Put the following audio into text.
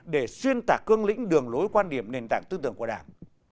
để xuyên tạc cương lĩnh đường lối quan điểm nền tảng tư tưởng của đảng